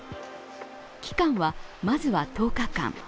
期間はまずは１０日間。